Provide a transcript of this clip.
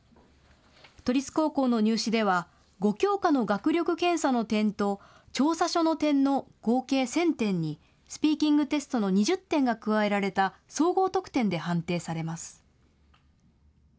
都立高校の入試では５教科の学力検査の点と調査書の点の合計１０００点にスピーキングテストの２０点が加えられた総合得点で判定されます。